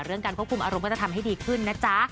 การควบคุมอารมณ์ก็จะทำให้ดีขึ้นนะจ๊ะ